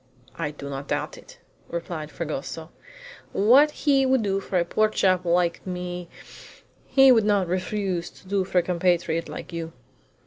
"I do not doubt it," replied Fragoso. "What he would do for a poor chap like me he would not refuse to do for a compatriot like you."